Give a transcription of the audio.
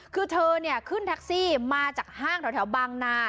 คือเธอเนี่ยขึ้นแท็กซี่มาจากห้างแถวบางนา